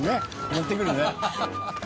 持ってくるね。